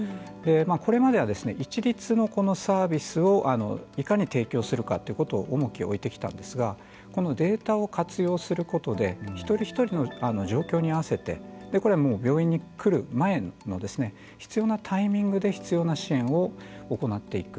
これまでは一律のサービスをいかに提供するかに重きを置いてきたんですがデータを活用することで一人一人の状況に合わせてこれは病院に来る前の必要なタイミングで必要な支援を行っていく。